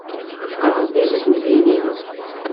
Qerḥent-iyi tesmezziyin-innu.